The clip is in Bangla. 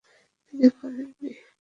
তিনি করেন নি।